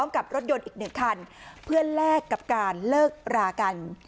กับรถยนต์อีก๑คันเพื่อแลกกับการเลิกรากัน